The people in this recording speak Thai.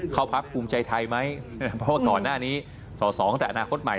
สอบสอบตั้งแต่อนาคตใหม่